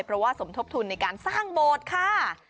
เพราะว่าสมทบทุนในการสร้างโบสถ์ค่ะ